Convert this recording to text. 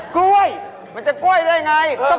ก้วยมันจะก้วยได้อย่างไรเออ